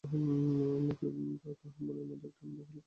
এমন-কি, তাহার মনের মধ্যে একটা আনন্দই হইল, কৌতূহলও কম হইল না।